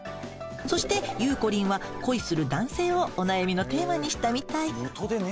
そしてゆうこりんは恋する男性をお悩みのテーマにしたみたい。